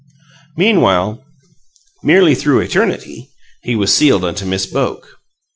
Meanwhile, merely through eternity, he was sealed unto Miss Boke.